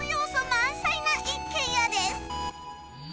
満載な一軒家です